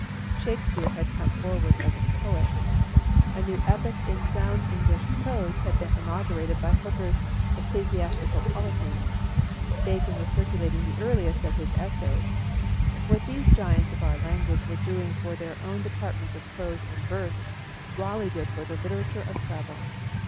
Shakespeare had come forward as a poet. A new epoch in sound English prose had been inaugurated by Hooker's Ecclesiastical Polity. Bacon was circulating the earliest of his Essays. What these giants of our language were doing for their own departments of prose and verse, Raleigh did for the literature of travel.